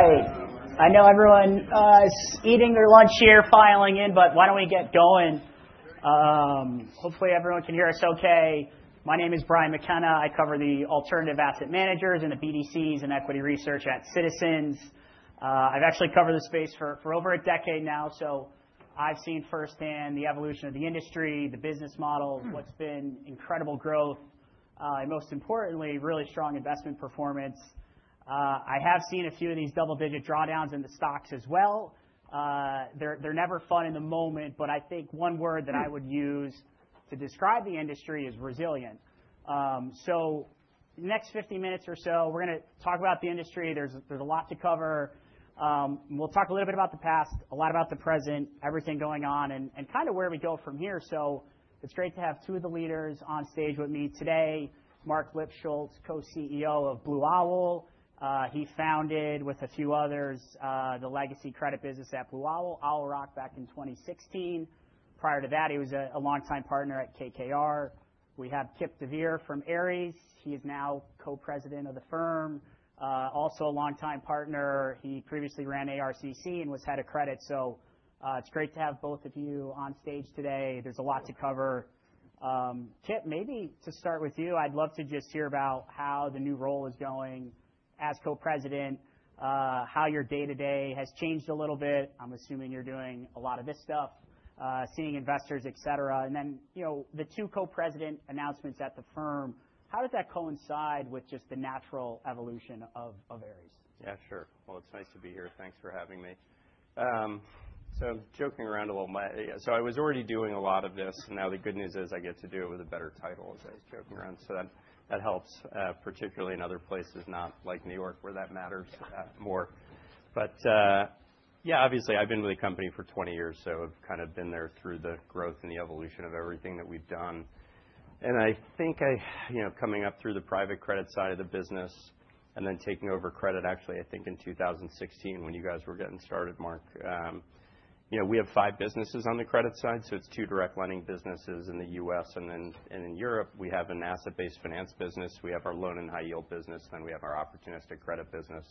All right. I know everyone's eating their lunch here, filing in, but why don't we get going? Hopefully, everyone can hear us okay. My name is Brian McKenna. I cover the alternative asset managers and the BDCs and equity research at Citizens. I've actually covered the space for over a decade now, so I've seen firsthand the evolution of the industry, the business models, what's been incredible growth, and most importantly, really strong investment performance. I have seen a few of these double-digit drawdowns in the stocks as well. They're never fun in the moment, but I think one word that I would use to describe the industry is resilient. In the next 15 minutes or so, we're going to talk about the industry. There's a lot to cover. We'll talk a little bit about the past, a lot about the present, everything going on, and kind of where we go from here. It is great to have two of the leaders on stage with me today: Marc Lipschultz, Co-CEO of Blue Owl. He founded, with a few others, the legacy credit business at Blue Owl, Owl Rock, back in 2016. Prior to that, he was a longtime partner at KKR. We have Kipp deVeer from Ares. He is now Co-President of the firm, also a longtime partner. He previously ran ARCC and was head of credit. It is great to have both of you on stage today. There is a lot to cover. Kipp, maybe to start with you, I would love to just hear about how the new role is going as co-president, how your day-to-day has changed a little bit. I'm assuming you're doing a lot of this stuff, seeing investors, et cetera. The two co-president announcements at the firm, how does that coincide with just the natural evolution of Ares? Yeah, sure. It's nice to be here. Thanks for having me. I'm joking around a little bit. I was already doing a lot of this, and now the good news is I get to do it with a better title, as I was joking around. That helps, particularly in other places, not like New York, where that matters more. Yeah, obviously, I've been with the company for 20 years, so I've kind of been there through the growth and the evolution of everything that we've done. I think coming up through the private credit side of the business and then taking over credit, actually, I think in 2016, when you guys were getting started, Marc, we have five businesses on the credit side. It's two direct lending businesses in the U.S. and in Europe. We have an asset-based finance business. We have our loan and high-yield business. Then we have our opportunistic credit business.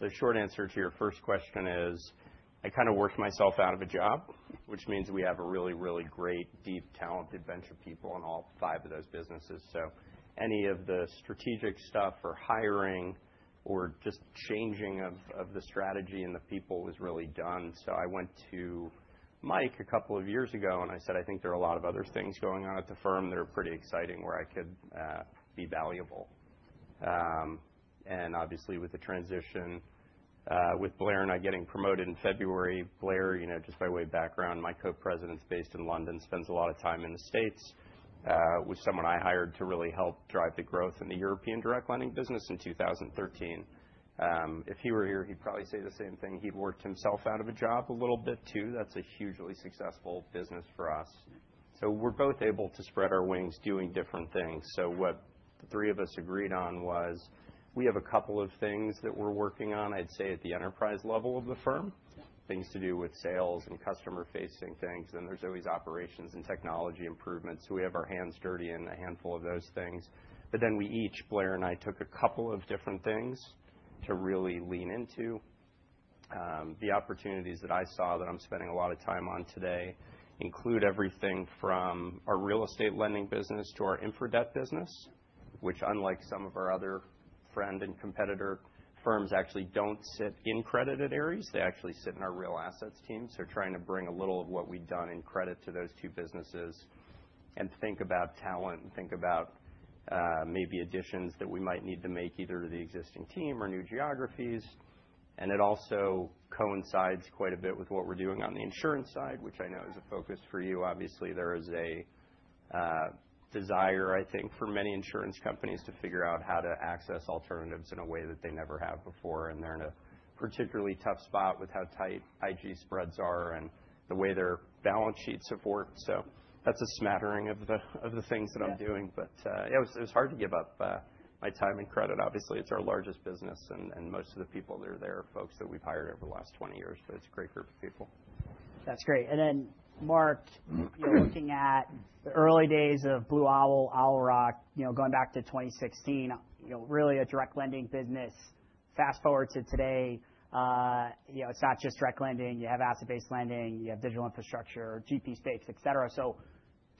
The short answer to your first question is I kind of worked myself out of a job, which means we have a really, really great, deep, talented bunch of people in all five of those businesses. Any of the strategic stuff or hiring or just changing of the strategy and the people was really done. I went to Mike a couple of years ago, and I said, "I think there are a lot of other things going on at the firm that are pretty exciting where I could be valuable." Obviously, with the transition, with Blair and I getting promoted in February, Blair, just by way of background, my Co-President's based in London, spends a lot of time in the States, was someone I hired to really help drive the growth in the European direct lending business in 2013. If he were here, he'd probably say the same thing. He'd worked himself out of a job a little bit too. That's a hugely successful business for us. We're both able to spread our wings doing different things. What the three of us agreed on was we have a couple of things that we're working on, I'd say, at the enterprise level of the firm, things to do with sales and customer-facing things. There is always operations and technology improvements. We have our hands dirty in a handful of those things. We each, Blair and I, took a couple of different things to really lean into. The opportunities that I saw that I'm spending a lot of time on today include everything from our real estate lending business to our infra debt business, which, unlike some of our other friend and competitor firms, actually do not sit in credit at Ares. They actually sit in our real assets team. Trying to bring a little of what we've done in credit to those two businesses and think about talent and think about maybe additions that we might need to make either to the existing team or new geographies. It also coincides quite a bit with what we're doing on the insurance side, which I know is a focus for you. Obviously, there is a desire, I think, for many insurance companies to figure out how to access alternatives in a way that they never have before. They're in a particularly tough spot with how tight IG spreads are and the way their balance sheets support. That's a smattering of the things that I'm doing. Yeah, it was hard to give up my time in credit. Obviously, it's our largest business, and most of the people that are there are folks that we've hired over the last 20 years, but it's a great group of people. That's great. Marc, looking at the early days of Blue Owl, Owl Rock, going back to 2016, really a direct lending business. Fast forward to today, it's not just direct lending. You have asset-based lending. You have digital infrastructure, GP space, et cetera.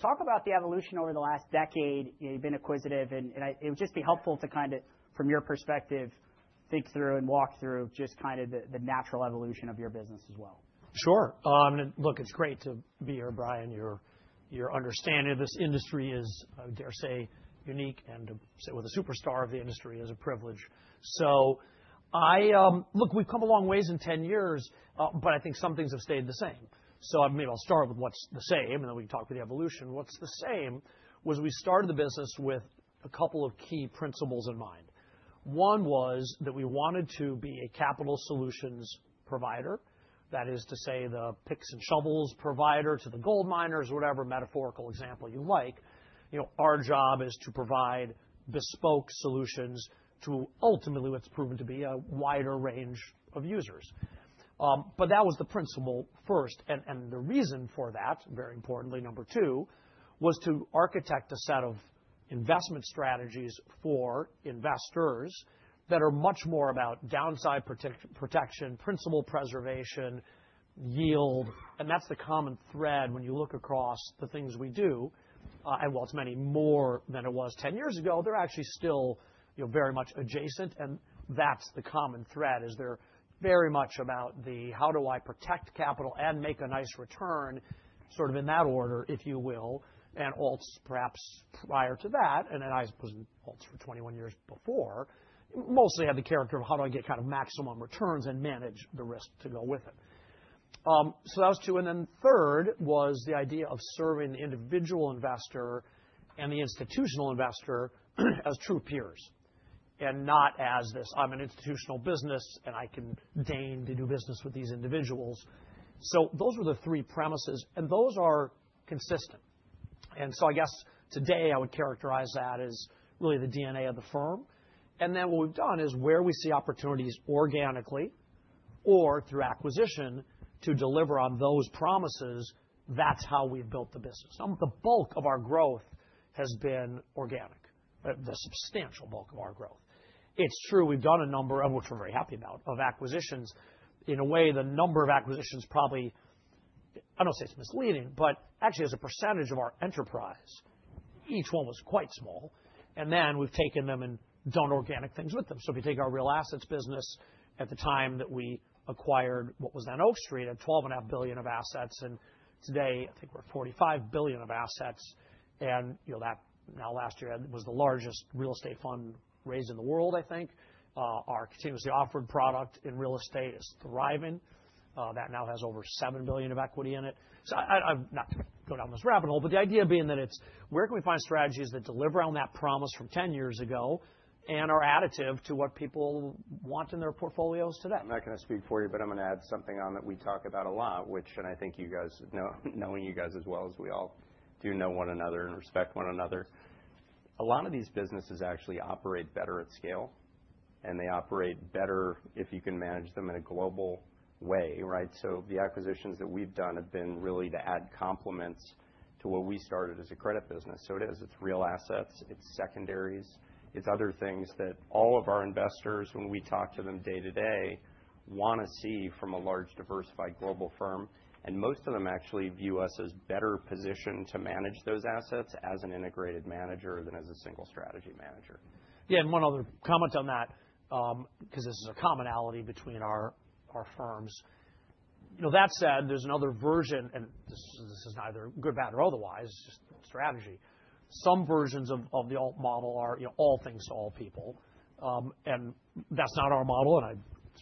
Talk about the evolution over the last decade. You've been acquisitive. It would just be helpful to, from your perspective, think through and walk through just the natural evolution of your business as well. Sure. Look, it's great to be here, Brian. Your understanding of this industry is, I would dare say, unique, and to sit with a superstar of the industry is a privilege. Look, we've come a long way in 10 years, but I think some things have stayed the same. Maybe I'll start with what's the same, and then we can talk about the evolution. What's the same was we started the business with a couple of key principles in mind. One was that we wanted to be a capital solutions provider. That is to say, the picks and shovels provider to the gold miners, whatever metaphorical example you like. Our job is to provide bespoke solutions to ultimately what's proven to be a wider range of users. That was the principle first. The reason for that, very importantly, number two, was to architect a set of investment strategies for investors that are much more about downside protection, principal preservation, yield. That is the common thread when you look across the things we do. While it is many more than it was 10 years ago, they are actually still very much adjacent. The common thread is they are very much about the, how do I protect capital and make a nice return, sort of in that order, if you will. Alts, perhaps prior to that, and I was in Alts for 21 years before, mostly had the character of how do I get kind of maximum returns and manage the risk to go with it. That was two. Third was the idea of serving the individual investor and the institutional investor as true peers and not as this, I'm an institutional business and I can deign to do business with these individuals. Those were the three premises, and those are consistent. I guess today I would characterize that as really the DNA of the firm. What we have done is where we see opportunities organically or through acquisition to deliver on those promises, that is how we have built the business. The bulk of our growth has been organic, the substantial bulk of our growth. It is true we have done a number of, which we are very happy about, acquisitions. In a way, the number of acquisitions probably, I do not want to say it is misleading, but actually as a percentage of our enterprise, each one was quite small. We have taken them and done organic things with them. If you take our real assets business, at the time that we acquired what was then Oak Street, it had $12.5 billion of assets. Today, I think we are at $45 billion of assets. Last year was the largest real estate fund raised in the world, I think. Our continuously offered product in real estate is thriving. That now has over $7 billion of equity in it. Not to go down this rabbit hole, but the idea is that it is where we can find strategies that deliver on that promise from 10 years ago and are additive to what people want in their portfolios today. I'm not going to speak for you, but I'm going to add something on that we talk about a lot, which, and I think you guys, knowing you guys as well as we all do know one another and respect one another, a lot of these businesses actually operate better at scale, and they operate better if you can manage them in a global way, right? The acquisitions that we've done have been really to add complements to what we started as a credit business. It is, it's real assets, it's secondaries, it's other things that all of our investors, when we talk to them day to day, want to see from a large, diversified global firm. Most of them actually view us as better positioned to manage those assets as an integrated manager than as a single strategy manager. Yeah, and one other comment on that, because this is a commonality between our firms. That said, there's another version, and this is neither good, bad, or otherwise, just strategy. Some versions of the Alt model are all things to all people. That is not our model. I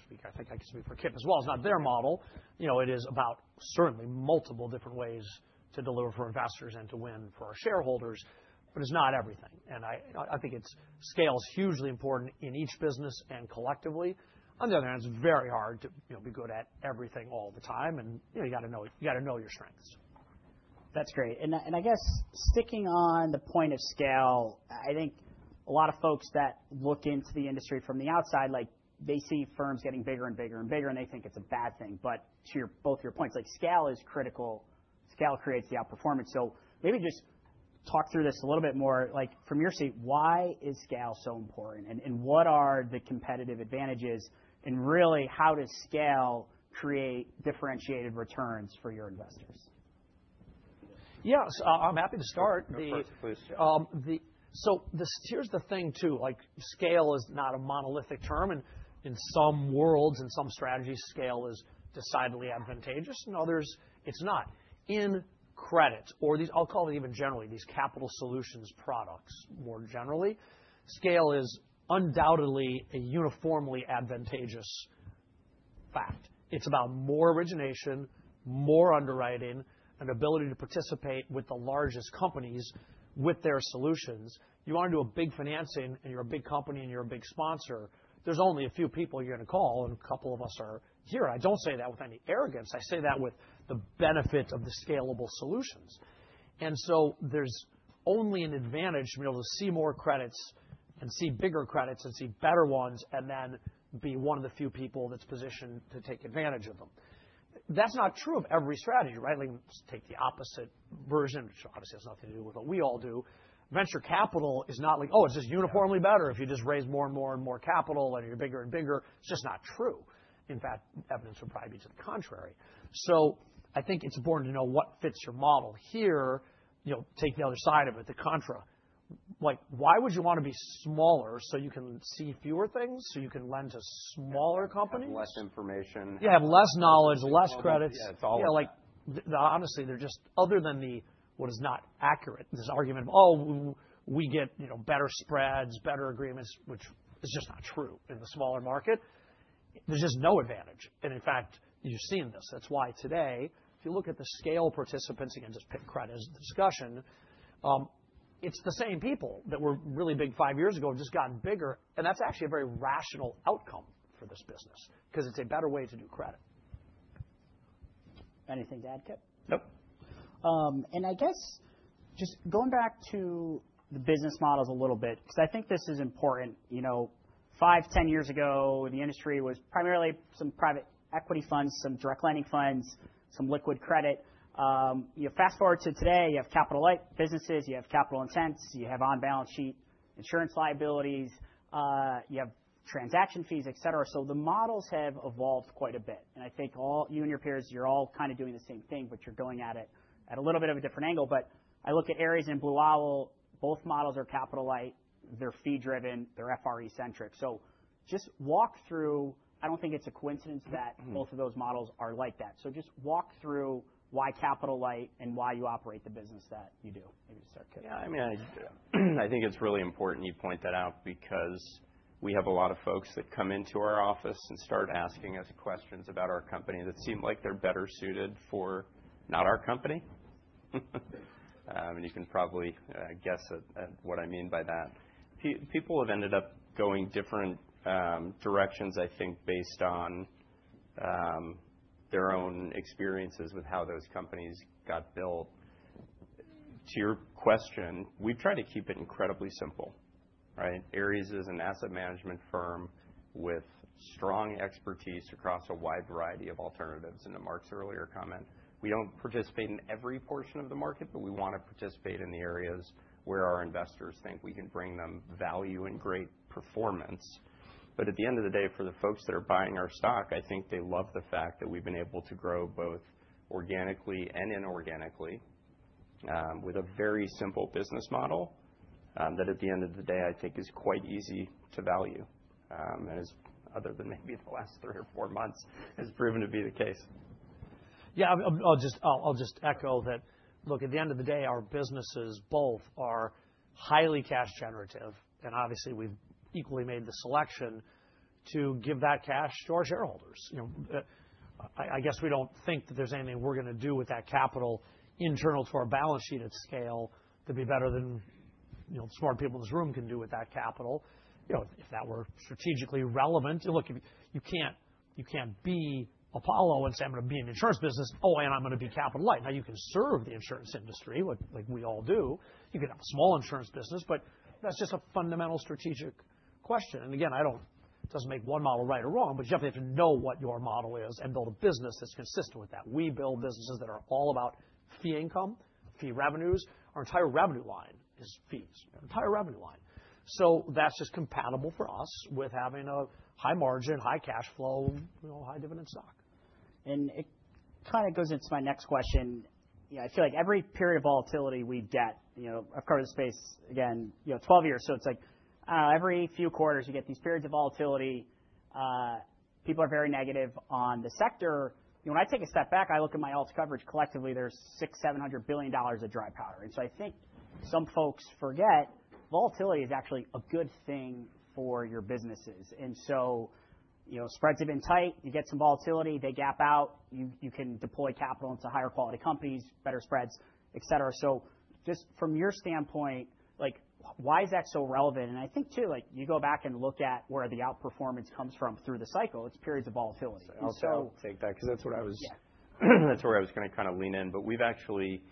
think I can speak for Kipp as well. It is not their model. It is about certainly multiple different ways to deliver for investors and to win for our shareholders, but it is not everything. I think scale is hugely important in each business and collectively. On the other hand, it is very hard to be good at everything all the time, and you got to know your strengths. That's great. I guess sticking on the point of scale, I think a lot of folks that look into the industry from the outside, they see firms getting bigger and bigger and bigger, and they think it's a bad thing. To both your points, scale is critical. Scale creates the outperformance. Maybe just talk through this a little bit more. From your seat, why is scale so important? What are the competitive advantages? Really, how does scale create differentiated returns for your investors? Yeah, I'm happy to start. No, please, please. Here's the thing too. Scale is not a monolithic term. In some worlds, in some strategies, scale is decidedly advantageous. In others, it's not. In credit, or I'll call it even generally, these capital solutions products more generally, scale is undoubtedly a uniformly advantageous fact. It's about more origination, more underwriting, and ability to participate with the largest companies with their solutions. You want to do a big financing, and you're a big company, and you're a big sponsor. There's only a few people you're going to call, and a couple of us are here. I don't say that with any arrogance. I say that with the benefit of the scalable solutions. There's only an advantage to be able to see more credits and see bigger credits and see better ones and then be one of the few people that's positioned to take advantage of them. That's not true of every strategy, right? Let's take the opposite version, which obviously has nothing to do with what we all do. Venture capital is not like, oh, it's just uniformly better if you just raise more and more and more capital and you're bigger and bigger. It's just not true. In fact, evidence would probably be to the contrary. I think it's important to know what fits your model here. Take the other side of it, the contra. Why would you want to be smaller so you can see fewer things, so you can lend to smaller companies? Less information. Yeah, have less knowledge, less credit. Yeah, it's all over. Honestly, they're just, other than what is not accurate, this argument of, oh, we get better spreads, better agreements, which is just not true in the smaller market. There's just no advantage. In fact, you've seen this. That's why today, if you look at the scale participants, again, just pick credit as the discussion, it's the same people that were really big five years ago have just gotten bigger. That's actually a very rational outcome for this business because it's a better way to do credit. Anything to add, Kipp? Nope. I guess just going back to the business models a little bit, because I think this is important. Five, 10 years ago, the industry was primarily some private equity funds, some direct lending funds, some liquid credit. Fast forward to today, you have capital-light businesses, you have capital-intense, you have on-balance sheet insurance liabilities, you have transaction fees, et cetera. The models have evolved quite a bit. I think you and your peers, you're all kind of doing the same thing, but you're going at it at a little bit of a different angle. I look at Ares and Blue Owl, both models are capital-light, they're fee-driven, they're FRE-centric. Just walk through, I don't think it's a coincidence that both of those models are like that. Just walk through why capital-light and why you operate the business that you do. Maybe start, Kipp. Yeah, I mean, I think it's really important you point that out because we have a lot of folks that come into our office and start asking us questions about our company that seem like they're better suited for not our company. You can probably guess at what I mean by that. People have ended up going different directions, I think, based on their own experiences with how those companies got built. To your question, we've tried to keep it incredibly simple, right? Ares is an asset management firm with strong expertise across a wide variety of alternatives. To Marc's earlier comment, we don't participate in every portion of the market, but we want to participate in the areas where our investors think we can bring them value and great performance. At the end of the day, for the folks that are buying our stock, I think they love the fact that we've been able to grow both organically and inorganically with a very simple business model that at the end of the day, I think is quite easy to value. Other than maybe the last three or four months, it has proven to be the case. Yeah, I'll just echo that. Look, at the end of the day, our businesses both are highly cash generative. Obviously, we've equally made the selection to give that cash to our shareholders. I guess we don't think that there's anything we're going to do with that capital internal to our balance sheet at scale that'd be better than the smart people in this room can do with that capital. If that were strategically relevant, look, you can't be Apollo and say, "I'm going to be an insurance business," oh, and I'm going to be capital-light. You can serve the insurance industry, like we all do. You can have a small insurance business, but that's just a fundamental strategic question. Again, it doesn't make one model right or wrong, but you definitely have to know what your model is and build a business that's consistent with that. We build businesses that are all about fee income, fee revenues. Our entire revenue line is fees, our entire revenue line. That is just compatible for us with having a high margin, high cash flow, high dividend stock. It kind of goes into my next question. I feel like every period of volatility we've had, I've covered the space again 12 years. It's like every few quarters, you get these periods of volatility. People are very negative on the sector. When I take a step back, I look at my Alt coverage, collectively, there's $600 billion-$700 billion of dry powder. I think some folks forget volatility is actually a good thing for your businesses. Spreads have been tight, you get some volatility, they gap out, you can deploy capital into higher quality companies, better spreads, et cetera. Just from your standpoint, why is that so relevant? I think too, you go back and look at where the outperformance comes from through the cycle, it's periods of volatility. I'll take that because that's what I was going to kind of lean in. We've actually,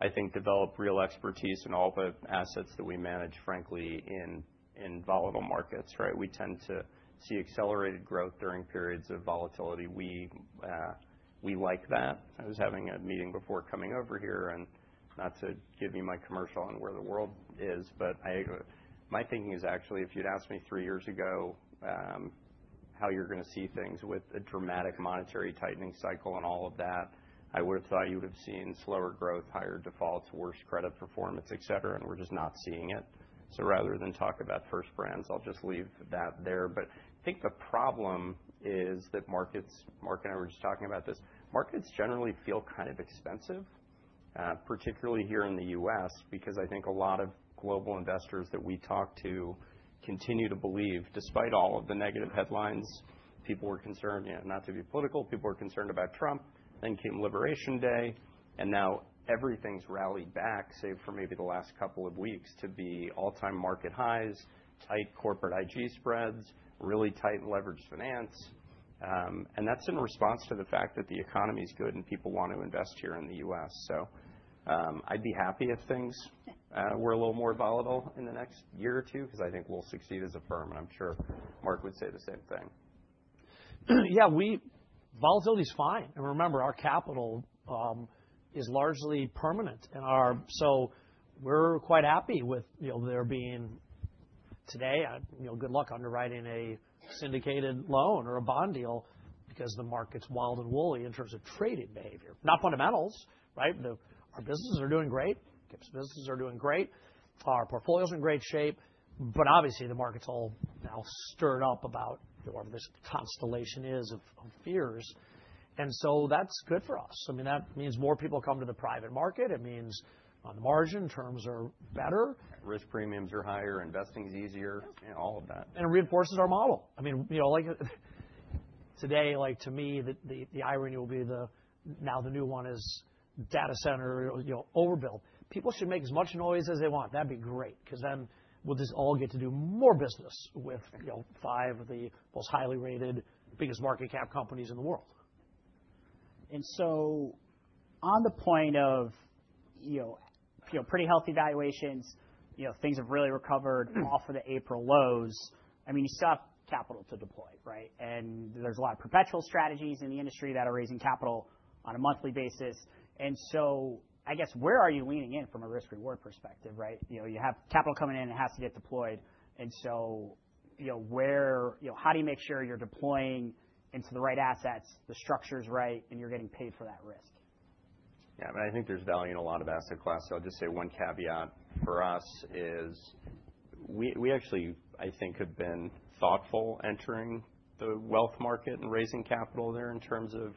I think, developed real expertise in all the assets that we manage, frankly, in volatile markets, right? We tend to see accelerated growth during periods of volatility. We like that. I was having a meeting before coming over here, and not to give you my commercial on where the world is, but my thinking is actually if you'd asked me three years ago how you're going to see things with a dramatic monetary tightening cycle and all of that, I would have thought you would have seen slower growth, higher defaults, worse credit performance, et cetera, and we're just not seeing it. Rather than talk about first brands, I'll just leave that there. I think the problem is that markets, Marc and I were just talking about this, markets generally feel kind of expensive, particularly here in the U.S., because I think a lot of global investors that we talk to continue to believe, despite all of the negative headlines, people were concerned, not to be political, people were concerned about Trump, then came Liberation Day, and now everything's rallied back, save for maybe the last couple of weeks, to be all-time market highs, tight corporate IG spreads, really tight leveraged finance. That is in response to the fact that the economy is good and people want to invest here in the U.S. I'd be happy if things were a little more volatile in the next year or two because I think we'll succeed as a firm, and I'm sure Marc would say the same thing. Yeah, volatility is fine. And remember, our capital is largely permanent. And so we're quite happy with there being today, good luck underwriting a syndicated loan or a bond deal because the market's wild and woolly in terms of trading behavior. Not fundamentals, right? Our businesses are doing great. Kipp's businesses are doing great. Our portfolio's in great shape. But obviously, the market's all now stirred up about whatever this constellation is of fears. And so that's good for us. I mean, that means more people come to the private market. It means on the margin terms are better. Risk premiums are higher, investing is easier, all of that. It reinforces our model. I mean, today, to me, the irony will be now the new one is data center overbuilt. People should make as much noise as they want. That'd be great because then we'll just all get to do more business with five of the most highly rated, biggest market cap companies in the world. On the point of pretty healthy valuations, things have really recovered off of the April lows. I mean, you still have capital to deploy, right? There are a lot of perpetual strategies in the industry that are raising capital on a monthly basis. I guess where are you leaning in from a risk-reward perspective, right? You have capital coming in, it has to get deployed. How do you make sure you're deploying into the right assets, the structure is right, and you're getting paid for that risk? Yeah, I think there's value in a lot of asset class. I'll just say one caveat for us is we actually, I think, have been thoughtful entering the wealth market and raising capital there in terms of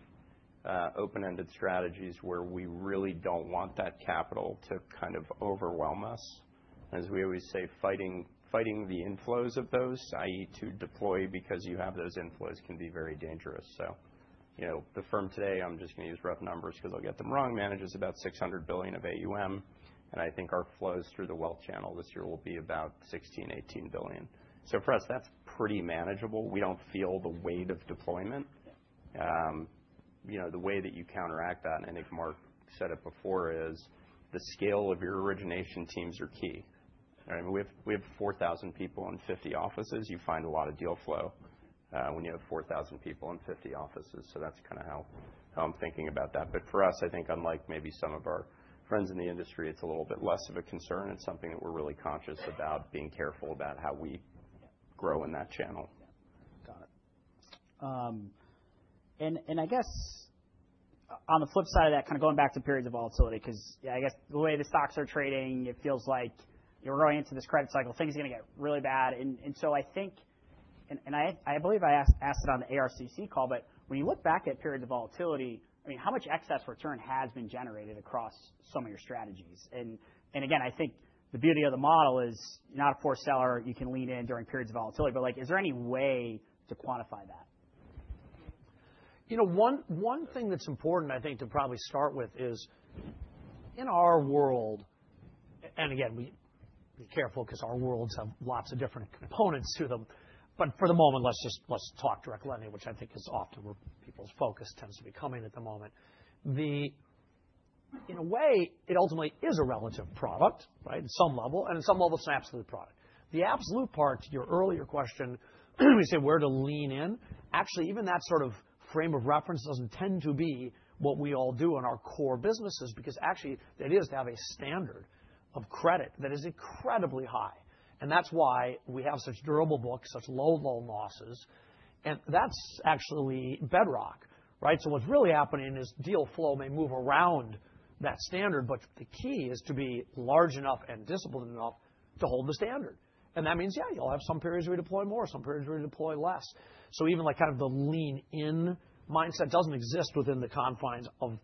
open-ended strategies where we really don't want that capital to kind of overwhelm us. As we always say, fighting the inflows of those, i.e., to deploy because you have those inflows, can be very dangerous. The firm today, I'm just going to use rough numbers because I'll get them wrong, manages about $600 billion of AUM. I think our flows through the wealth channel this year will be about $16 billion-$18 billion. For us, that's pretty manageable. We don't feel the weight of deployment. The way that you counteract that, and I think Marc said it before, is the scale of your origination teams are key. We have 4,000 people in 50 offices. You find a lot of deal flow when you have 4,000 people in 50 offices. That is kind of how I'm thinking about that. For us, I think unlike maybe some of our friends in the industry, it is a little bit less of a concern. It is something that we are really conscious about, being careful about how we grow in that channel. Got it. I guess on the flip side of that, kind of going back to periods of volatility, because I guess the way the stocks are trading, it feels like we're going into this credit cycle, things are going to get really bad. I think, and I believe I asked it on the ARCC call, but when you look back at periods of volatility, I mean, how much excess return has been generated across some of your strategies? I think the beauty of the model is you're not a forced seller, you can lean in during periods of volatility. Is there any way to quantify that? One thing that's important, I think, to probably start with is in our world, and again, be careful because our worlds have lots of different components to them. For the moment, let's talk direct lending, which I think is often where people's focus tends to be coming at the moment. In a way, it ultimately is a relative product in some level, and in some level, it's an absolute product. The absolute part, your earlier question, you say where to lean in, actually even that sort of frame of reference doesn't tend to be what we all do in our core businesses because actually that is to have a standard of credit that is incredibly high. That's why we have such durable books, such low loan losses. That's actually bedrock. What's really happening is deal flow may move around that standard, but the key is to be large enough and disciplined enough to hold the standard. That means, yeah, you'll have some periods where you deploy more, some periods where you deploy less. Even kind of the lean-in mindset doesn't exist within the confines of,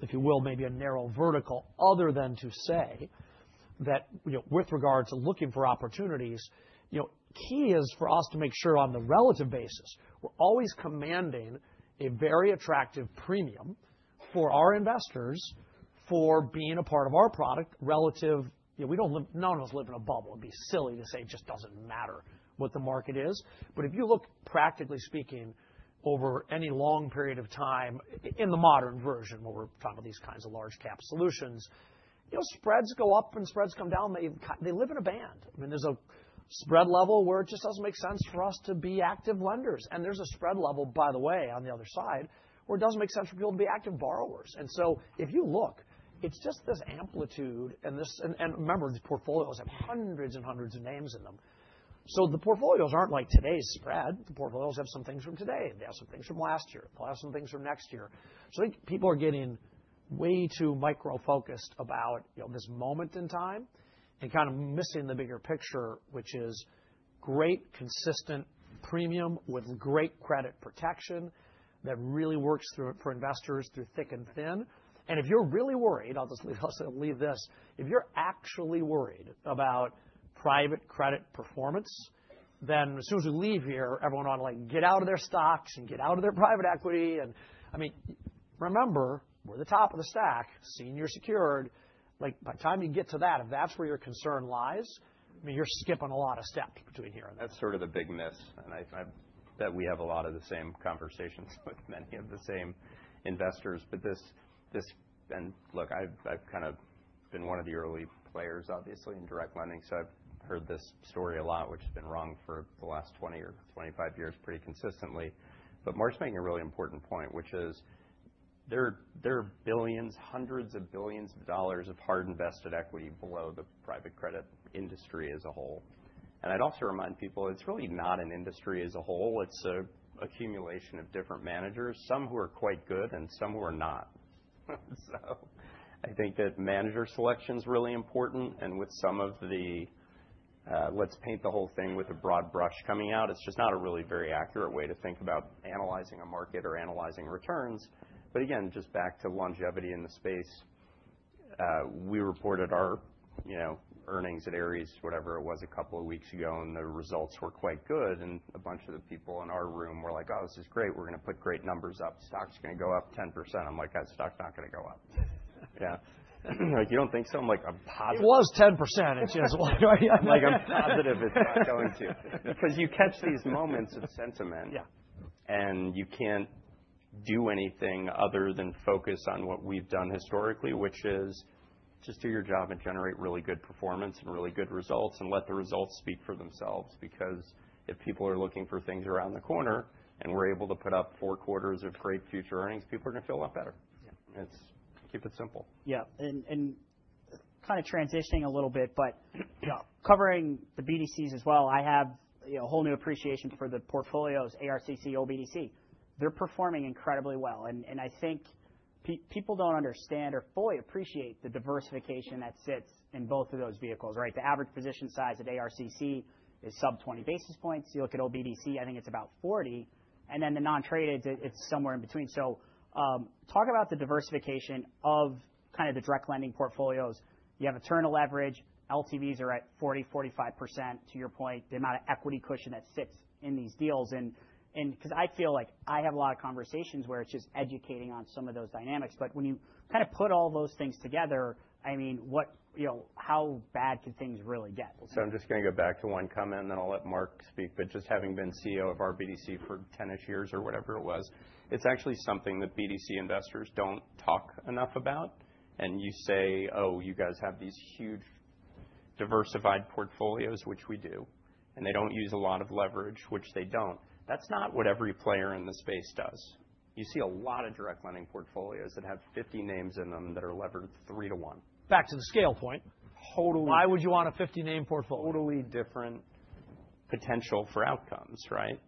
if you will, maybe a narrow vertical, other than to say that with regard to looking for opportunities, key is for us to make sure on the relative basis, we're always commanding a very attractive premium for our investors for being a part of our product. We don't live in a bubble. It'd be silly to say it just doesn't matter what the market is. If you look practically speaking over any long period of time in the modern version, where we're talking about these kinds of large cap solutions, spreads go up and spreads come down. They live in a band. I mean, there's a spread level where it just doesn't make sense for us to be active lenders. There's a spread level, by the way, on the other side where it doesn't make sense for people to be active borrowers. If you look, it's just this amplitude. Remember, the portfolios have hundreds and hundreds of names in them. The portfolios aren't like today's spread. The portfolios have some things from today. They have some things from last year. They'll have some things from next year. I think people are getting way too micro-focused about this moment in time and kind of missing the bigger picture, which is great, consistent premium with great credit protection that really works for investors through thick and thin. If you're really worried, I'll just leave this. If you're actually worried about private credit performance, then as soon as we leave here, everyone ought to get out of their stocks and get out of their private equity. I mean, remember, we're the top of the stack, senior secured. By the time you get to that, if that's where your concern lies, I mean, you're skipping a lot of steps between here and there. That's sort of the big miss. I bet we have a lot of the same conversations with many of the same investors. Look, I've kind of been one of the early players, obviously, in direct lending. I've heard this story a lot, which has been wrong for the last 20 or 25 years pretty consistently. Marc's making a really important point, which is there are billions, hundreds of billions of dollars of hard invested equity below the private credit industry as a whole. I'd also remind people it's really not an industry as a whole. It's an accumulation of different managers, some who are quite good and some who are not. I think that manager selection is really important. With some of the, let's paint the whole thing with a broad brush coming out, it's just not a really very accurate way to think about analyzing a market or analyzing returns. Again, just back to longevity in the space, we reported our earnings at Ares, whatever it was, a couple of weeks ago, and the results were quite good. A bunch of the people in our room were like, "Oh, this is great. We're going to put great numbers up. Stock's going to go up 10%." I'm like, "That stock's not going to go up." Yeah. You don't think so? I'm like, "I'm positive. It was 10%. It's just like. I'm positive it's not going to because you catch these moments of sentiment and you can't do anything other than focus on what we've done historically, which is just do your job and generate really good performance and really good results and let the results speak for themselves. Because if people are looking for things around the corner and we're able to put up four quarters of great future earnings, people are going to feel a lot better. Keep it simple. Yeah. Kind of transitioning a little bit, but covering the BDCs as well, I have a whole new appreciation for the portfolios, ARCC, OBDC. They're performing incredibly well. I think people don't understand or fully appreciate the diversification that sits in both of those vehicles, right? The average position size at ARCC is sub 20 basis points. You look at OBDC, I think it's about 40. The non-traded, it's somewhere in between. Talk about the diversification of kind of the direct lending portfolios. You have a turn of leverage. LTVs are at 40%-45% to your point, the amount of equity cushion that sits in these deals. I feel like I have a lot of conversations where it's just educating on some of those dynamics. When you kind of put all those things together, I mean, how bad could things really get? I'm just going to go back to one comment, and then I'll let Marc speak. Just having been CEO of our BDC for 10-ish years or whatever it was, it's actually something that BDC investors do not talk enough about. You say, "Oh, you guys have these huge diversified portfolios," which we do, "and they do not use a lot of leverage," which they do not. That is not what every player in the space does. You see a lot of direct lending portfolios that have 50 names in them that are levered three to one. Back to the scale point. Totally. Why would you want a 50-name portfolio? Totally different potential for outcomes, right?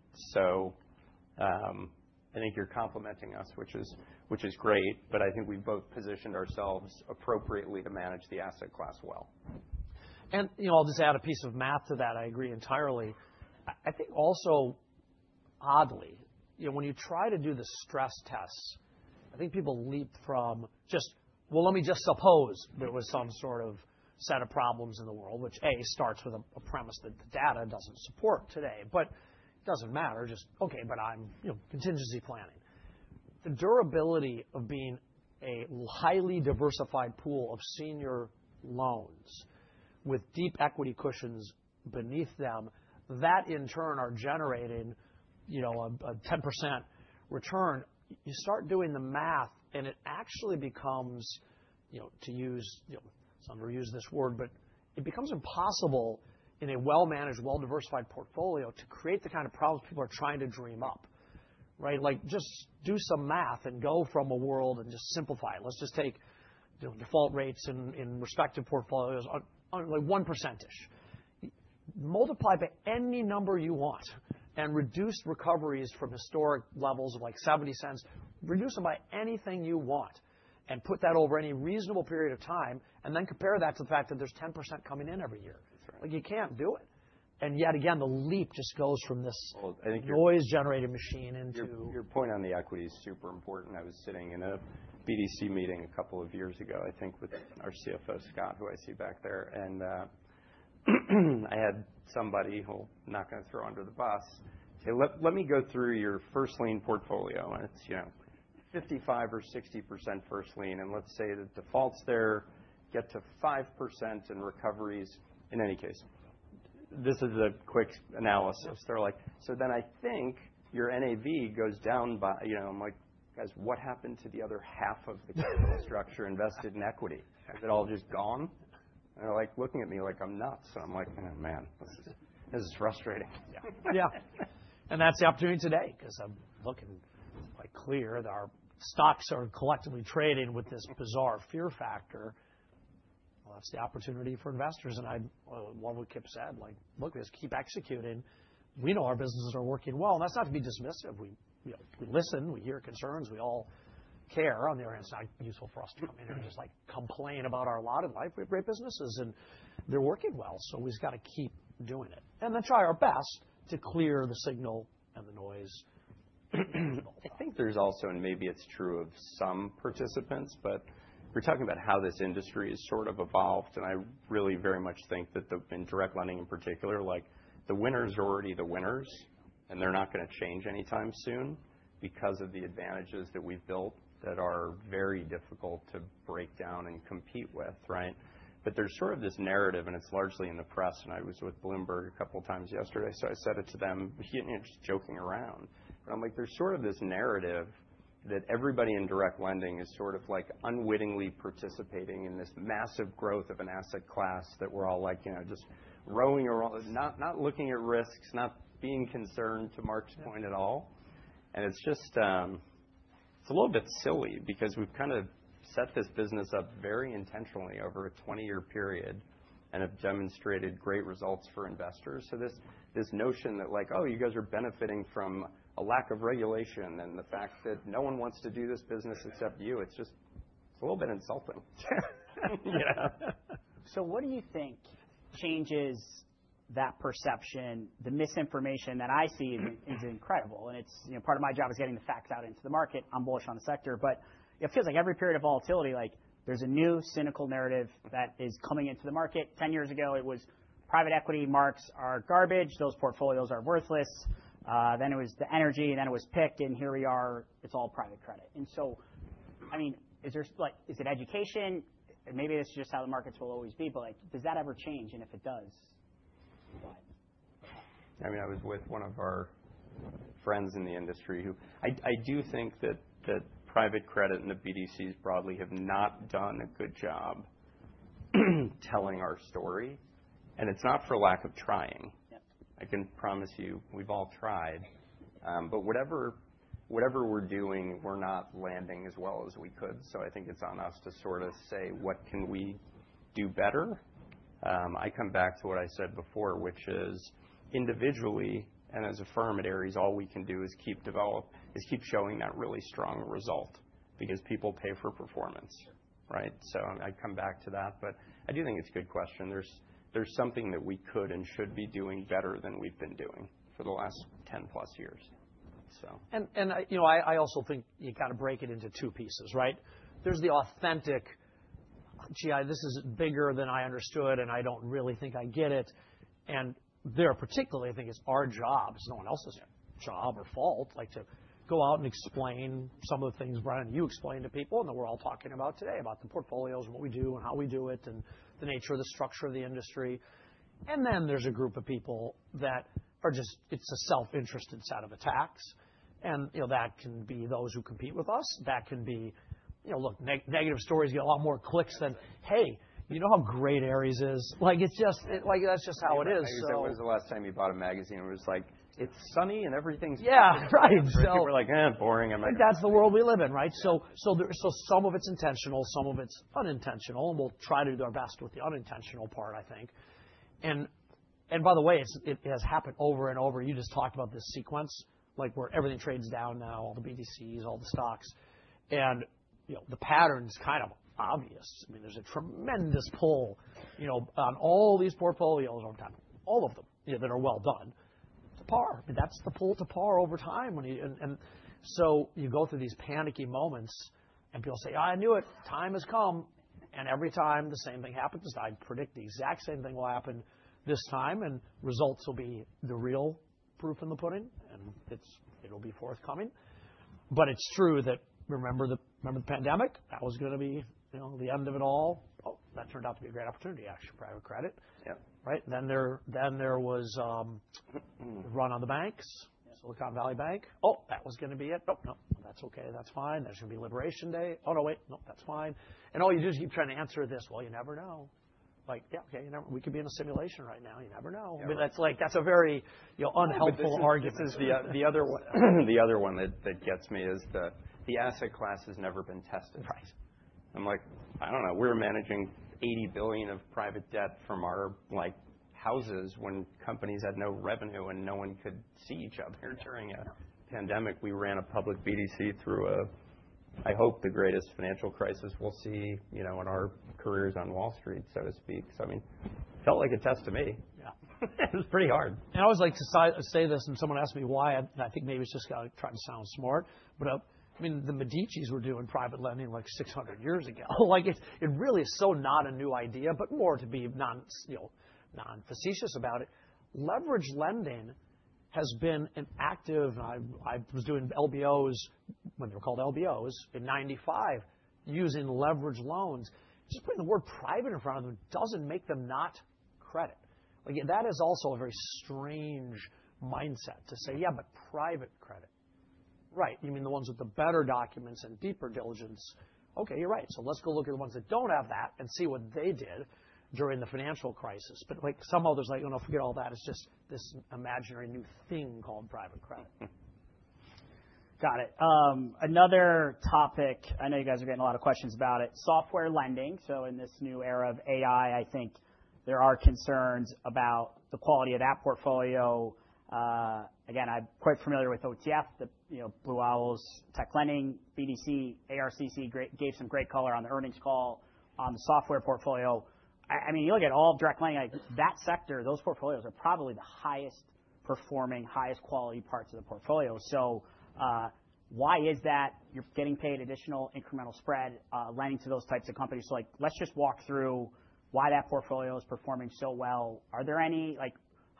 I think you're complimenting us, which is great. I think we've both positioned ourselves appropriately to manage the asset class well. I'll just add a piece of math to that. I agree entirely. I think also, oddly, when you try to do the stress tests, I think people leap from just, "Well, let me just suppose there was some sort of set of problems in the world," which A, starts with a premise that the data does not support today. It does not matter. Just, "Okay, but I'm contingency planning." The durability of being a highly diversified pool of senior loans with deep equity cushions beneath them that in turn are generating a 10% return, you start doing the math and it actually becomes, to use some of your, you use this word, but it becomes impossible in a well-managed, well-diversified portfolio to create the kind of problems people are trying to dream up. Just do some math and go from a world and just simplify it. Let's just take default rates in respective portfolios, like 1%-ish. Multiply by any number you want and reduce recoveries from historic levels of like $0.70 reduce them by anything you want and put that over any reasonable period of time, and then compare that to the fact that there's 10% coming in every year. You can't do it. Yet again, the leap just goes from this noise-generated machine into. Your point on the equity is super important. I was sitting in a BDC meeting a couple of years ago, I think, with our CFO Scott, who I see back there. I had somebody who I'm not going to throw under the bus. Hey, let me go through your first lien portfolio. It is 55% or 60% first lien. Let's say the defaults there get to 5% in recoveries in any case. This is a quick analysis. They're like, "So then I think your NAV goes down by" I'm like, "Guys, what happened to the other half of the capital structure invested in equity? Is it all just gone?" They're looking at me like I'm nuts. I'm like, "Man, this is frustrating. Yeah. That is the opportunity today because I am looking quite clear. Our stocks are collectively trading with this bizarre fear factor. That is the opportunity for investors. What Kipp said, like, "Look, just keep executing. We know our businesses are working well." That is not to be dismissive. We listen, we hear concerns, we all care. On the other hand, it is not useful for us to come in here and just complain about our lot in life. We have great businesses and they are working well. We have to keep doing it and then try our best to clear the signal and the noise. I think there's also, and maybe it's true of some participants, but we're talking about how this industry has sort of evolved. I really very much think that in direct lending in particular, the winners are already the winners and they're not going to change anytime soon because of the advantages that we've built that are very difficult to break down and compete with. There's sort of this narrative, and it's largely in the press. I was with Bloomberg a couple of times yesterday. I said it to them. He didn't hear it, just joking around. I'm like, there's sort of this narrative that everybody in direct lending is sort of like unwittingly participating in this massive growth of an asset class that we're all like just rowing around, not looking at risks, not being concerned to Marc's point at all. It is a little bit silly because we have kind of set this business up very intentionally over a 20-year period and have demonstrated great results for investors. This notion that like, "Oh, you guys are benefiting from a lack of regulation and the fact that no one wants to do this business except you," is a little bit insulting. Yeah. So what do you think changes that perception? The misinformation that I see is incredible. And part of my job is getting the facts out into the market. I'm bullish on the sector. But it feels like every period of volatility, there's a new cynical narrative that is coming into the market. Ten years ago, it was private equity, marks are garbage, those portfolios are worthless. Then it was the energy, then it was picked, and here we are, it's all private credit. And so, I mean, is it education? Maybe this is just how the markets will always be, but does that ever change? And if it does, what? I mean, I was with one of our friends in the industry who I do think that private credit and the BDCs broadly have not done a good job telling our story. And it's not for lack of trying. I can promise you we've all tried. Whatever we're doing, we're not landing as well as we could. I think it's on us to sort of say, "What can we do better?" I come back to what I said before, which is individually and as a firm at Ares, all we can do is keep showing that really strong result because people pay for performance. I'd come back to that. I do think it's a good question. There's something that we could and should be doing better than we've been doing for the last 10+ years. I also think you kind of break it into two pieces, right? There is the authentic, "Gee, this is bigger than I understood and I do not really think I get it." There particularly, I think it is our job. It is no one else's job or fault to go out and explain some of the things Brian and you explained to people and that we are all talking about today about the portfolios and what we do and how we do it and the nature of the structure of the industry. There is a group of people that are just, it is a self-interested set of attacks. That can be those who compete with us. That can be, look, negative stories get a lot more clicks than, "Hey, you know how great Ares is?" It is just how it is. I think that was the last time you bought a magazine. It was like, "It's sunny and everything's great. Yeah, right. People were like, boring. That's the world we live in, right? Some of it's intentional, some of it's unintentional. We'll try to do our best with the unintentional part, I think. By the way, it has happened over and over. You just talked about this sequence where everything trades down now, all the BDCs, all the stocks. The pattern's kind of obvious. I mean, there's a tremendous pull on all these portfolios over time, all of them that are well done. It's a par. That's the pull to par over time. You go through these panicky moments and people say, "I knew it. Time has come." Every time the same thing happens, I predict the exact same thing will happen this time. Results will be the real proof in the pudding. It'll be forthcoming. It's true that, remember the pandemic? That was going to be the end of it all. Oh, that turned out to be a great opportunity, actually, private credit. Then there was a run on the banks, Silicon Valley Bank. Oh, that was going to be it. Nope, that's okay. That's fine. There's going to be Liberation Day. Oh, no, wait. Nope, that's fine. All you do is keep trying to answer this. You never know. Yeah, okay. We could be in a simulation right now. You never know. I mean, that's a very unhelpful argument. The other one that gets me is the asset class has never been tested. I'm like, "I don't know. We're managing $80 billion of private debt from our houses when companies had no revenue and no one could see each other." During a pandemic, we ran a public BDC through, I hope, the greatest financial crisis we'll see in our careers on Wall Street, so to speak. I mean, it felt like a test to me. It was pretty hard. I always like to say this and someone asks me why, and I think maybe it's just trying to sound smart. I mean, the Medicis were doing private lending like 600 years ago. It really is so not a new idea, but more to be non-facetious about it. Leverage lending has been an active, and I was doing LBOs, when they were called LBOs in 1995, using leverage loans. Just putting the word private in front of them does not make them not credit. That is also a very strange mindset to say, "Yeah, but private credit." Right. You mean the ones with the better documents and deeper diligence. Okay, you're right. Let's go look at the ones that do not have that and see what they did during the financial crisis. Some others are like, "No, forget all that. It's just this imaginary new thing called private credit. Got it. Another topic. I know you guys are getting a lot of questions about it. Software lending. In this new era of AI, I think there are concerns about the quality of that portfolio. Again, I'm quite familiar with OTF, the Blue Owl Tech Lending BDC. ARCC gave some great color on the earnings call on the software portfolio. I mean, you look at all of direct lending, that sector, those portfolios are probably the highest performing, highest quality parts of the portfolio. Why is that? You're getting paid additional incremental spread lending to those types of companies. Let's just walk through why that portfolio is performing so well. Are there any,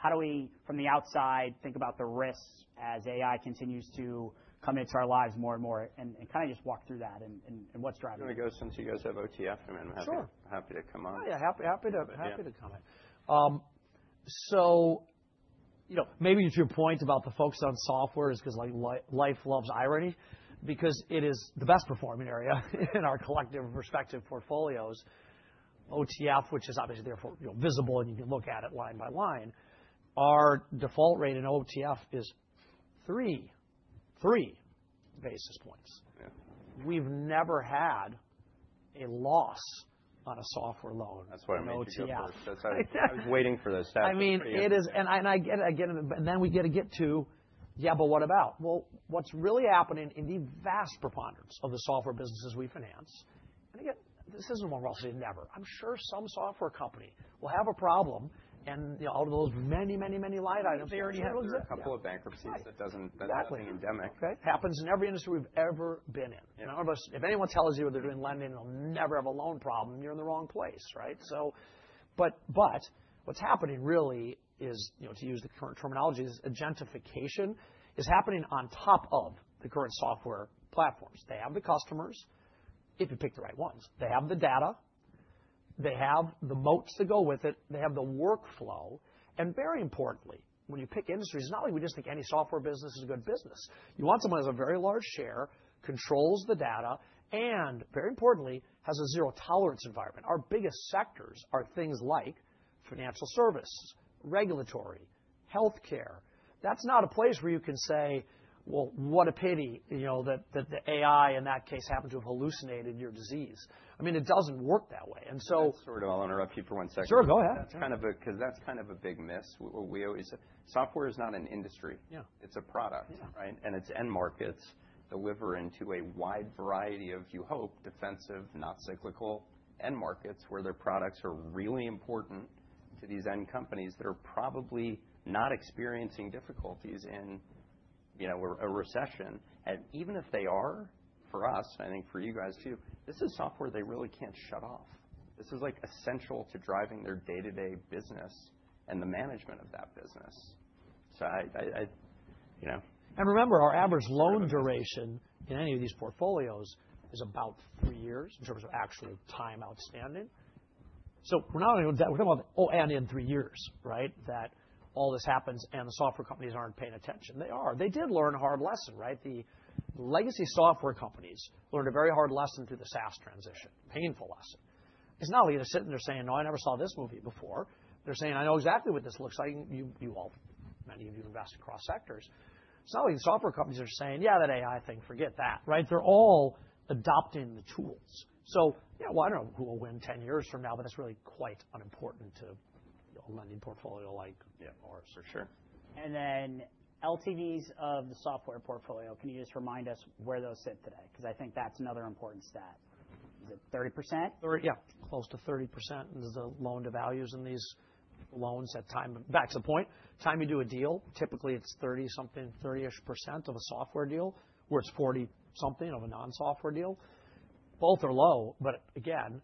how do we from the outside think about the risks as AI continues to come into our lives more and more and kind of just walk through that and what's driving it? If you guys have OTF, I'm happy to come on. Sure. Yeah, happy to come in. Maybe to your point about the focus on software is because life loves irony because it is the best performing area in our collective perspective portfolios. OTF, which is obviously therefore visible and you can look at it line by line, our default rate in OTF is three basis points. We've never had a loss on a software loan. That's why I'm making the OTF work. I was waiting for those stats. I mean, it is. Again, then we get to, "Yeah, but what about?" What is really happening in the vast preponderance of the software businesses we finance, and again, this is not one where we are all saying never. I am sure some software company will have a problem, and out of those many, many, many line items. They already have a couple of bankruptcies that are endemic. Exactly. Happens in every industry we've ever been in. If anyone tells you they're doing lending, they'll never have a loan problem. You're in the wrong place. What is happening really is, to use the current terminology, agentification is happening on top of the current software platforms. They have the customers, if you pick the right ones. They have the data. They have the moats to go with it. They have the workflow. Very importantly, when you pick industries, it's not like we just think any software business is a good business. You want someone who has a very large share, controls the data, and very importantly, has a zero tolerance environment. Our biggest sectors are things like financial services, regulatory, healthcare. That's not a place where you can say, "What a pity that the AI in that case happened to have hallucinated your disease." I mean, it doesn't work that way. And so. Sorry, I'll interrupt you for one second. Sure, go ahead. Because that's kind of a big miss. Software is not an industry. It's a product. And its end markets deliver into a wide variety of, you hope, defensive, not cyclical end markets where their products are really important to these end companies that are probably not experiencing difficulties in a recession. Even if they are, for us, and I think for you guys too, this is software they really can't shut off. This is essential to driving their day-to-day business and the management of that business. Remember, our average loan duration in any of these portfolios is about three years in terms of actual time outstanding. We are not only talking about, "Oh, and in three years," that all this happens and the software companies are not paying attention. They are. They did learn a hard lesson. The legacy software companies learned a very hard lesson through the SaaS transition, a painful lesson. It is not like they are sitting there saying, "No, I never saw this movie before." They are saying, "I know exactly what this looks like." Many of you invest across sectors. It is not like the software companies are saying, "Yeah, that AI thing, forget that." They are all adopting the tools. I do not know who will win 10 years from now, but that is really quite unimportant to a lending portfolio like ours. For sure. LTVs of the software portfolio, can you just remind us where those sit today? I think that's another important stat. Is it 30%? Yeah, close to 30%. And there are loan to values in these loans that time, back to the point, time you do a deal, typically it is 30%-ish for a software deal where it is 40%-something for a non-software deal. Both are low. Again,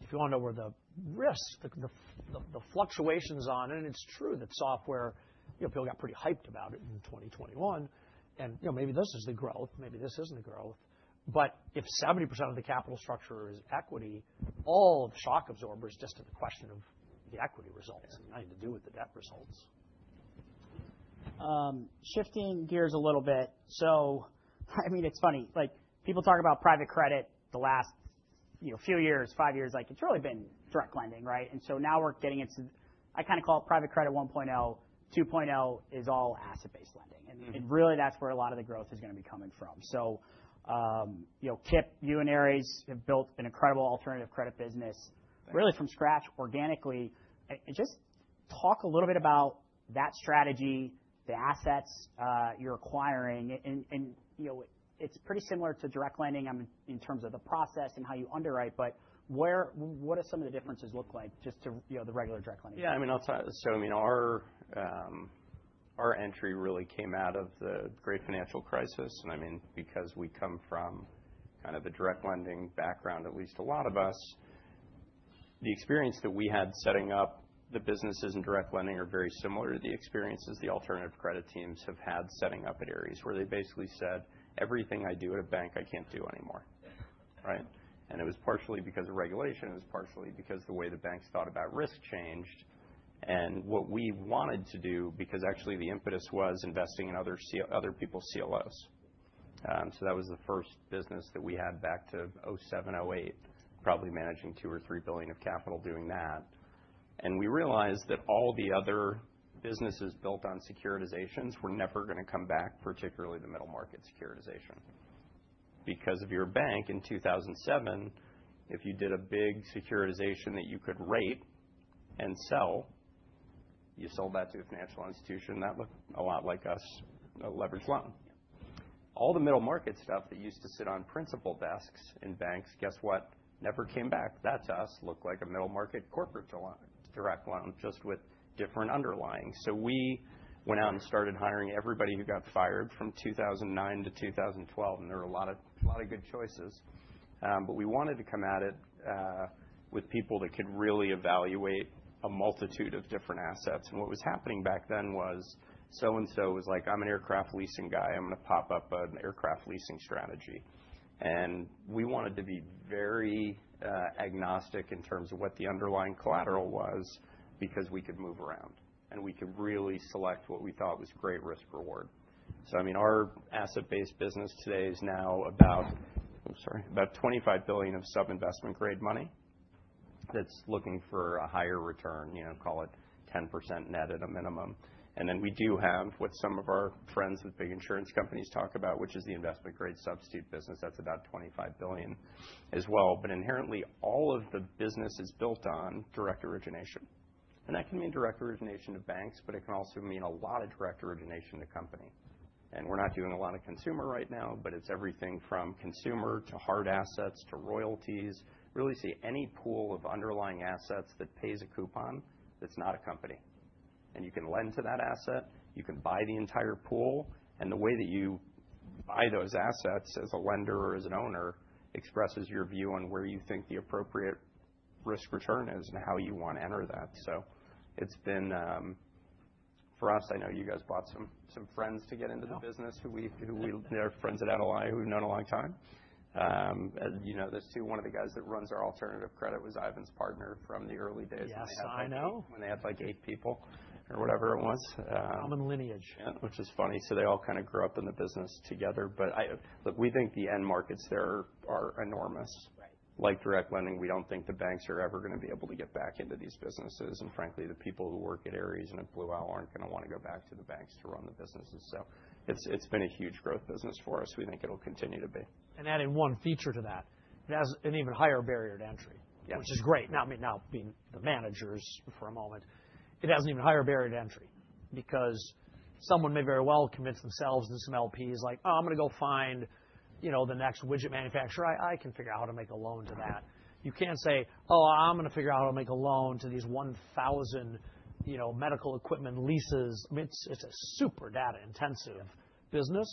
if you want to know where the risk, the fluctuations on it, and it is true that software, people got pretty hyped about it in 2021. Maybe this is the growth. Maybe this is not the growth. If 70% of the capital structure is equity, all the shock absorber is just to the question of the equity results. It has nothing to do with the debt results. Shifting gears a little bit. I mean, it's funny. People talk about private credit the last few years, five years. It's really been direct lending. Now we're getting into, I kind of call it private credit 1.0. 2.0 is all asset-based lending. Really, that's where a lot of the growth is going to be coming from. Kipp, you and Ares have built an incredible alternative credit business really from scratch, organically. Just talk a little bit about that strategy, the assets you're acquiring. It's pretty similar to direct lending in terms of the process and how you underwrite, but what do some of the differences look like just to the regular direct lending? Yeah, I mean, our entry really came out of the great financial crisis. I mean, because we come from kind of a direct lending background, at least a lot of us, the experience that we had setting up the businesses in direct lending are very similar to the experiences the alternative credit teams have had setting up at Ares where they basically said, "Everything I do at a bank, I can't do anymore." It was partially because of regulation. It was partially because the way the banks thought about risk changed. What we wanted to do, because actually the impetus was investing in other people's CLOs. That was the first business that we had back to 2007, 2008, probably managing $2 billion-$3 billion of capital doing that. We realized that all the other businesses built on securitizations were never going to come back, particularly the middle market securitization. Because if you were a bank in 2007, if you did a big securitization that you could rate and sell, you sold that to a financial institution that looked a lot like us, a leverage loan. All the middle market stuff that used to sit on principal desks in banks, guess what? Never came back. That to us looked like a middle market corporate direct loan just with different underlying. We went out and started hiring everybody who got fired from 2009 to 2012. There were a lot of good choices. We wanted to come at it with people that could really evaluate a multitude of different assets. What was happening back then was so-and-so was like, "I'm an aircraft leasing guy. I'm going to pop up an aircraft leasing strategy. And we wanted to be very agnostic in terms of what the underlying collateral was because we could move around. And we could really select what we thought was great risk-reward. So I mean, our asset-based business today is now about, oh, sorry, about $25 billion of sub-investment-grade money that's looking for a higher return, call it 10% net at a minimum. And then we do have what some of our friends with big insurance companies talk about, which is the investment-grade substitute business. That's about $25 billion as well. But inherently, all of the business is built on direct origination. And that can mean direct origination to banks, but it can also mean a lot of direct origination to company. And we're not doing a lot of consumer right now, but it's everything from consumer to hard assets to royalties. Really see any pool of underlying assets that pays a coupon that's not a company. You can lend to that asset. You can buy the entire pool. The way that you buy those assets as a lender or as an owner expresses your view on where you think the appropriate risk return is and how you want to enter that. It's been, for us, I know you guys bought some friends to get into the business who we have friends at Atalaya who we've known a long time. There's two. One of the guys that runs our alternative credit was Ivan's partner from the early days of the company. Yes, I know. When they had like eight people or whatever it was. Common lineage. Yeah, which is funny. They all kind of grew up in the business together. We think the end markets there are enormous. Like direct lending, we do not think the banks are ever going to be able to get back into these businesses. Frankly, the people who work at Ares and at Blue Owl are not going to want to go back to the banks to run the businesses. It has been a huge growth business for us. We think it will continue to be. Adding one feature to that, it has an even higher barrier to entry, which is great. Now, being the managers for a moment, it has an even higher barrier to entry because someone may very well convince themselves and some LPs like, "Oh, I'm going to go find the next widget manufacturer. I can figure out how to make a loan to that." You can't say, "Oh, I'm going to figure out how to make a loan to these 1,000 medical equipment leases." I mean, it's a super data-intensive business.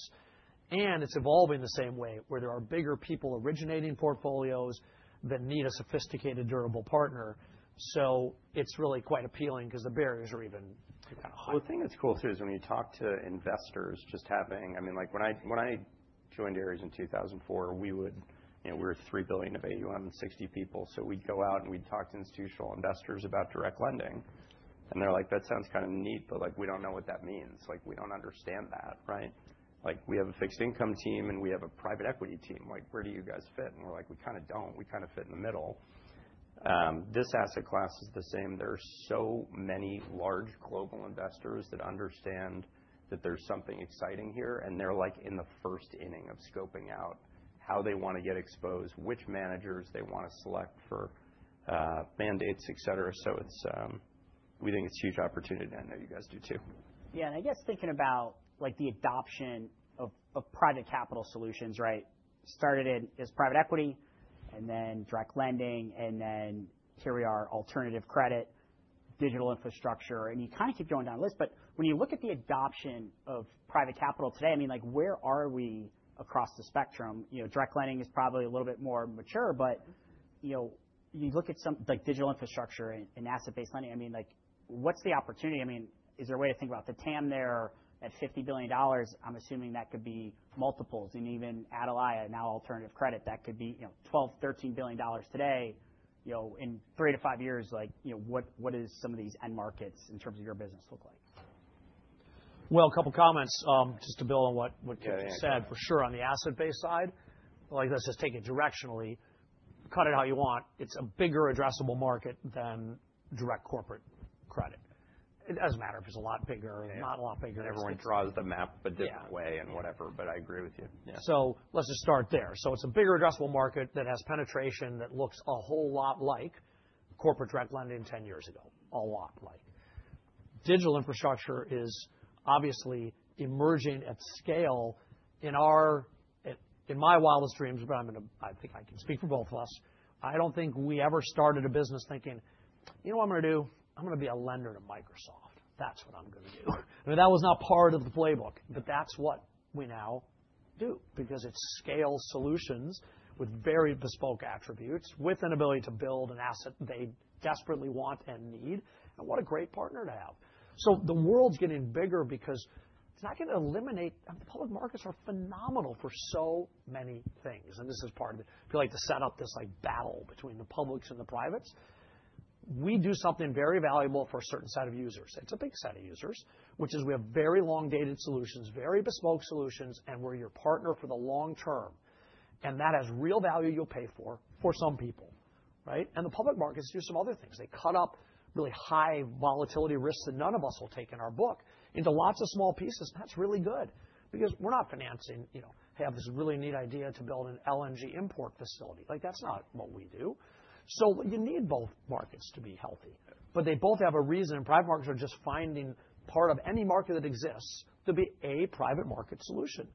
It's evolving the same way where there are bigger people originating portfolios that need a sophisticated durable partner. It is really quite appealing because the barriers are even kind of higher. The thing that's cool too is when you talk to investors just having, I mean, when I joined Ares in 2004, we were $3 billion of AUM, 60 people. We would go out and we would talk to institutional investors about direct lending. And they're like, "That sounds kind of neat, but we do not know what that means. We do not understand that." We have a fixed income team and we have a private equity team. Where do you guys fit? And we're like, "We kind of do not. We kind of fit in the middle." This asset class is the same. There are so many large global investors that understand that there is something exciting here. And they're like in the first inning of scoping out how they want to get exposed, which managers they want to select for mandates, etc. We think it is a huge opportunity. I know you guys do too. Yeah. I guess thinking about the adoption of private capital solutions, started as private equity and then direct lending and then here we are, alternative credit, digital infrastructure. You kind of keep going down the list. When you look at the adoption of private capital today, I mean, where are we across the spectrum? Direct lending is probably a little bit more mature. You look at digital infrastructure and asset-based lending, I mean, what's the opportunity? Is there a way to think about the TAM there at $50 billion? I'm assuming that could be multiples. Even Atalaya, now alternative credit, that could be $12 billion-$13 billion today. In three to five years, what do some of these end markets in terms of your business look like? A couple of comments just to build on what Kipp just said. For sure, on the asset-based side, like I said, take it directionally. Cut it how you want. It's a bigger addressable market than direct corporate credit. It doesn't matter if it's a lot bigger or not a lot bigger. Everyone draws the map a different way, and whatever. I agree with you. Let's just start there. It's a bigger addressable market that has penetration that looks a whole lot like corporate direct lending 10 years ago, a lot like. Digital infrastructure is obviously emerging at scale in my wildest dreams, but I think I can speak for both of us. I don't think we ever started a business thinking, "You know what I'm going to do? I'm going to be a lender to Microsoft. That's what I'm going to do." I mean, that was not part of the playbook, but that's what we now do because it scales solutions with very bespoke attributes with an ability to build an asset they desperately want and need. What a great partner to have. The world's getting bigger because it's not going to eliminate. The public markets are phenomenal for so many things. This is part of it. If you like to set up this battle between the publics and the privates, we do something very valuable for a certain set of users. It's a big set of users, which is we have very long-dated solutions, very bespoke solutions, and we're your partner for the long term. That has real value you'll pay for for some people. The public markets do some other things. They cut up really high volatility risks that none of us will take in our book into lots of small pieces. That's really good because we're not financing, "Hey, I have this really neat idea to build an LNG import facility." That's not what we do. You need both markets to be healthy. They both have a reason. Private markets are just finding part of any market that exists to be a private market solution.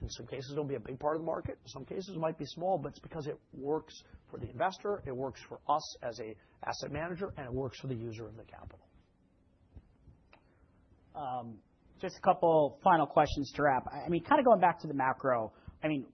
In some cases, it'll be a big part of the market. In some cases, it might be small, but it's because it works for the investor. It works for us as an asset manager, and it works for the user of the capital. Just a couple of final questions to wrap. I mean, kind of going back to the macro, I mean,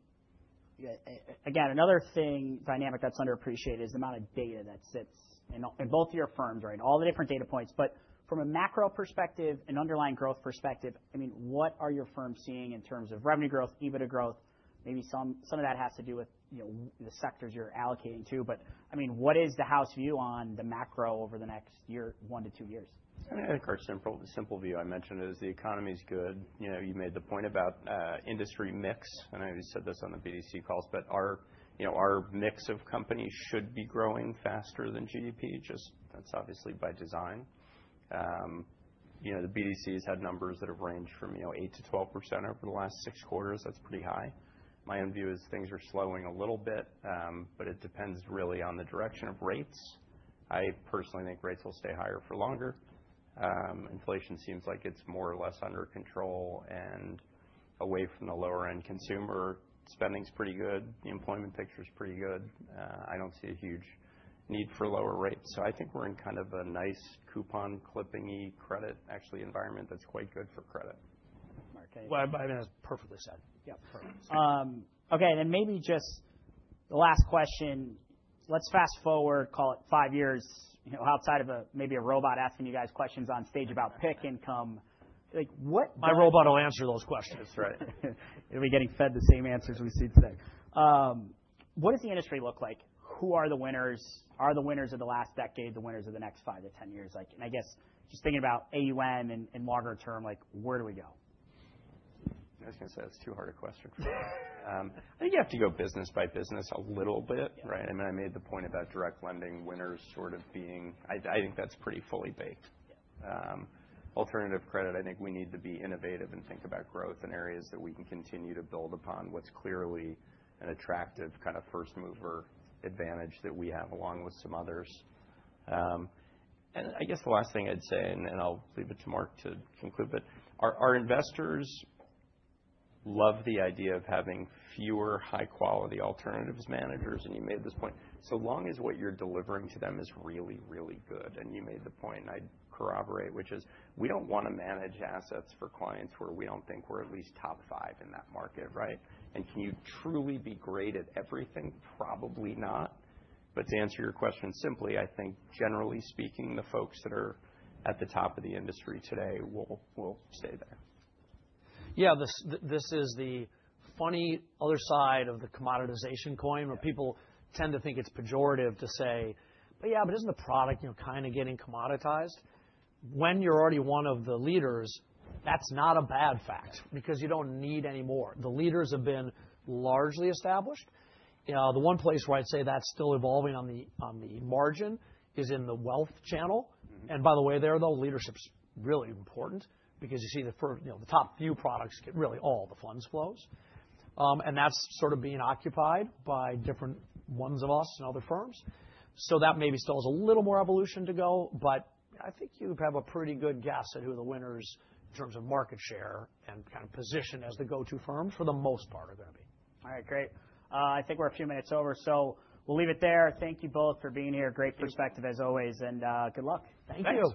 again, another thing, dynamic that's underappreciated is the amount of data that sits in both of your firms, all the different data points. But from a macro perspective, an underlying growth perspective, I mean, what are your firms seeing in terms of revenue growth, EBITDA growth? Maybe some of that has to do with the sectors you're allocating to. I mean, what is the house view on the macro over the next year, one to two years? I think our simple view I mentioned is the economy is good. You made the point about industry mix. I already said this on the BDC calls, but our mix of companies should be growing faster than GDP. That is obviously by design. The BDC has had numbers that have ranged from 8%-12% over the last six quarters. That is pretty high. My own view is things are slowing a little bit, but it depends really on the direction of rates. I personally think rates will stay higher for longer. Inflation seems like it is more or less under control and away from the lower-end consumer. Spending is pretty good. The employment picture is pretty good. I do not see a huge need for lower rates. I think we are in kind of a nice coupon clipping-y credit, actually, environment that is quite good for credit. I mean, that's perfectly said. Yeah, perfect. Okay. Maybe just the last question. Let's fast forward, call it five years, outside of maybe a robot asking you guys questions on stage about pick income. My robot will answer those questions. That's right. We're getting fed the same answers we see today. What does the industry look like? Who are the winners? Are the winners of the last decade the winners of the next five to ten years? I guess just thinking about AUM in longer term, where do we go? I was going to say that's too hard a question for me. I think you have to go business by business a little bit. I mean, I made the point about direct lending winners sort of being, I think that's pretty fully baked. Alternative credit, I think we need to be innovative and think about growth in areas that we can continue to build upon what's clearly an attractive kind of first mover advantage that we have along with some others. I guess the last thing I'd say, and I'll leave it to Marc to conclude, but our investors love the idea of having fewer high-quality alternatives managers. You made this point. So long as what you're delivering to them is really, really good. You made the point, and I corroborate, which is we do not want to manage assets for clients where we do not think we are at least top five in that market. Can you truly be great at everything? Probably not. To answer your question simply, I think generally speaking, the folks that are at the top of the industry today will stay there. Yeah. This is the funny other side of the commoditization coin where people tend to think it's pejorative to say, "But yeah, but isn't the product kind of getting commoditized?" When you're already one of the leaders, that's not a bad fact because you don't need any more. The leaders have been largely established. The one place where I'd say that's still evolving on the margin is in the wealth channel. By the way, there, though, leadership's really important because you see the top few products get really all the funds flows. That's sort of being occupied by different ones of us and other firms. That maybe still has a little more evolution to go. I think you have a pretty good guess at who the winners in terms of market share and kind of position as the go-to firms for the most part are going to be. All right. Great. I think we're a few minutes over. We'll leave it there. Thank you both for being here. Great perspective as always. Good luck. Thank you.